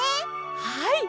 はい。